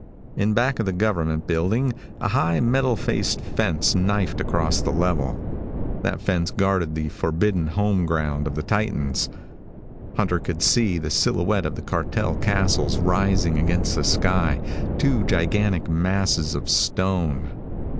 In back of the government building a high, metal faced fence knifed across the level. That fence guarded the forbidden home ground of the titans. Hunter could see the silhouette of the cartel castles rising against the sky, two gigantic masses of stone.